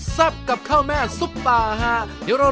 ต้มกะล่ำปลีไส้เห็ดหอมนั่นเอง